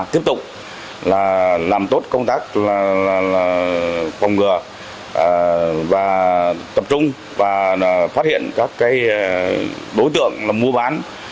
tiếp tục làm tốt công tác phòng ngừa và tập trung và phát hiện các đối tượng mua bán